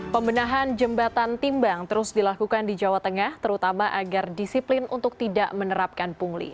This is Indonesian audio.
pembenahan jembatan timbang terus dilakukan di jawa tengah terutama agar disiplin untuk tidak menerapkan pungli